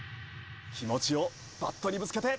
気持ちをバットにぶつけて。